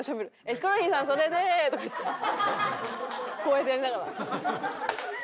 「ヒコロヒーさんそれで」とか言ってこうやってやりながら。